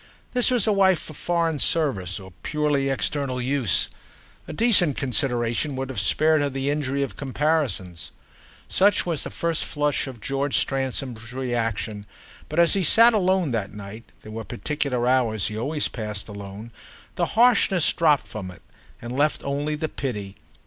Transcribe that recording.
This was a wife for foreign service or purely external use; a decent consideration would have spared her the injury of comparisons. Such was the first flush of George Stransom's reaction; but as he sat alone that night—there were particular hours he always passed alone—the harshness dropped from it and left only the pity.